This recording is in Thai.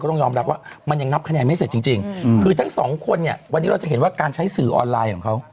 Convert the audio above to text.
ต้องยอมรับว่ามันยังนับคะแนนไม่เสร็จจริงคือทั้งสองคนเนี่ยวันนี้เราจะเห็นว่าการใช้สื่อออนไลน์ของเขา